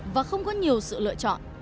và không có nhiều sự lựa chọn